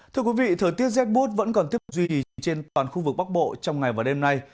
thưa quý vị thời tiết z boost vẫn còn tiếp tục duy trì trên toàn khu vực bắc bộ trong ngày và đêm nay